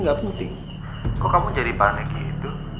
nggak penting kok kamu jadi panik gitu